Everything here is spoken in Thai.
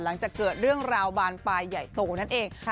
หลังจากเกิดเรื่องราวบานปลายใหญ่โตนั่นเอง